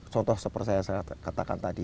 contoh seperti yang saya katakan tadi